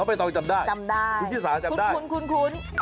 น้องไปต่อจำได้คุณภิกษาจำได้คุณคุณ